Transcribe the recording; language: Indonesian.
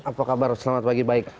apa kabar selamat pagi baik